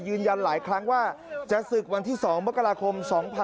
ยืนยันหลายครั้งว่าจะศึกวันที่๒มกราคม๒๕๖๒